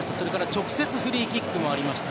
直接、フリーキックもありました。